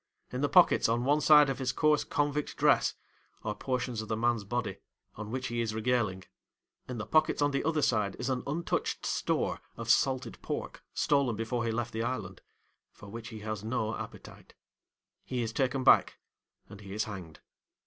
In the pockets on one side of his coarse convict dress, are portions of the man's body, on which he is regaling; in the pockets on the other side is an untouched store of salted pork (stolen before he left the island) for which he has no appetite. He is taken back, and he is hanged.